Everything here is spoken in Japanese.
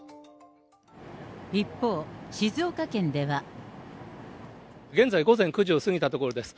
一方、現在、午前９時を過ぎたところです。